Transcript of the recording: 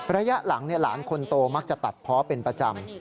ระยะหลังหลานคนโตมักจะตัดเพาะเป็นประจำ